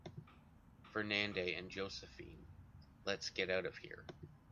Fernande and Joséphine, let’s get out of here!